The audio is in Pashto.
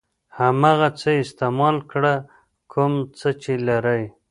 هماغه څه استعمال کړه کوم څه چې لرئ.